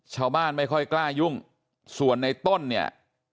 ชาวบ้านไม่ค่อยกล้ายุ่งส่วนในต้นเนี่ย